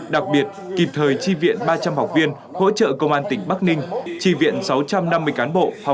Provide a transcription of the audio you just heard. đặc biệt kịp thời tri viện ba trăm linh học viên hỗ trợ công an tỉnh bắc ninh tri viện sáu trăm năm mươi cán bộ